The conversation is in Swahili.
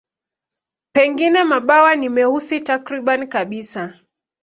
Pengine mabawa ni meusi takriban kabisa.